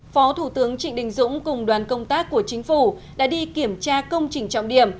phó thủ tướng trịnh đình dũng cùng đoàn công tác của chính phủ đã đi kiểm tra công trình trọng điểm